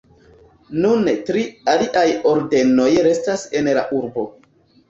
Nune tri aliaj ordenoj restas en la urbo.